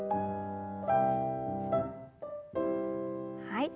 はい。